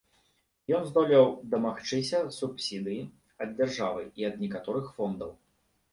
Ён здолеў дамагчыся субсідыі ад дзяржавы і ад некаторых фондаў.